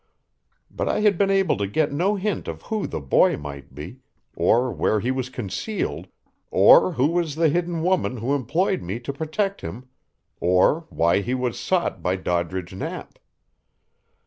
But I had been able to get no hint of who the boy might be, or where he was concealed, or who was the hidden woman who employed me to protect him, or why he was sought by Doddridge Knapp.